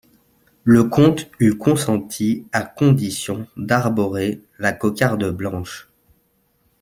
Le comte eut consenti à condition d'arborer la cocarde blanche.